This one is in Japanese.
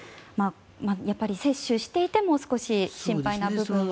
やっぱり接種していても少し心配な部分は。